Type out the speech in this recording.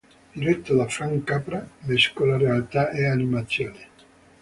Diretto da Frank Capra, mescola realtà e animazione.